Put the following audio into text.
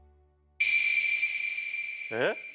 えっ？